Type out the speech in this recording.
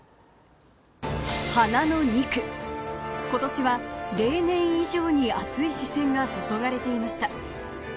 花の２区、今年は例年以上に熱い視線がそそがれていました。